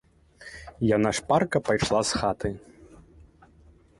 Яна шпарка пайшла з хаты.